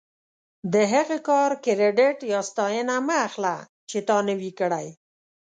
د هغه کار کریډیټ یا ستاینه مه اخله چې تا نه وي کړی.